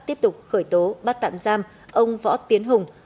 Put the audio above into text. tiếp tục khởi tố bắt tạm giam ông võ tiến hùng